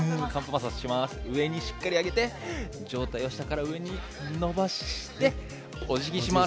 上にしっかり上げて上体を下から上に伸ばしておじぎします。